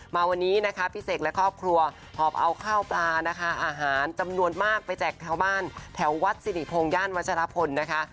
มาวันนี้นะคะพี่เสกและครอบครัวหอบเอาข้าวปลานะคะอาหารจำนวนมากไปแจกแถวบ้านแถววัดสิริพงศ์ย่านวัชรพลนะคะ